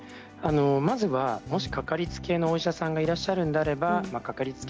まずは、もし掛かりつけ医のお医者さんがいらっしゃるのであれば掛かりつけ